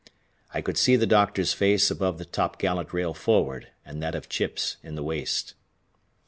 I could see the "doctor's" face above the topgallant rail forward and that of Chips in the waist.